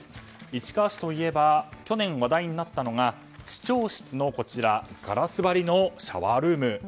市川市といえば去年話題になったのが市長室のガラス張りのシャワールーム。